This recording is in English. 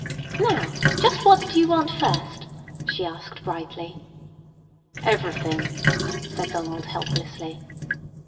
"Now, just what do you want first?" she asked brightly. "Everything," said Donald helplessly.